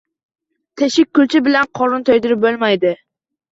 Teshikkulcha bilan qorin to'ydirib bo'lmaydi